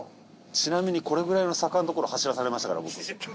ちなみにこれぐらいの坂の所走らされましたから僕。